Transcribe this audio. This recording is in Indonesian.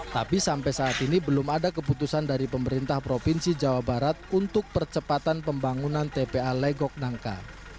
tapi sampai saat ini belum ada keputusan dari pemerintah provinsi jawa barat untuk percepatan pembangunan tpa legok nangka